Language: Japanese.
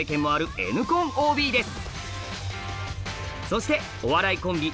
そしてお笑いコンビ